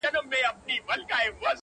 رابولې زر مخونه د خپل مخ و تماشې ته،